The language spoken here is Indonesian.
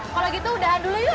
kalau gitu dahan dulu yuk